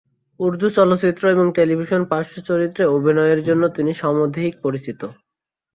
উর্দু চলচ্চিত্র এবং টেলিভিশনে পার্শ্ব চরিত্রে অভিনয়ের জন্য তিনি সমধিক পরিচিত।